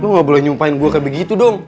lo gak boleh nyumpahin gua kayak begitu dong